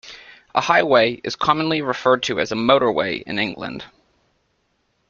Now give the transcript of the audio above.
A highway is commonly referred to as motorway in England.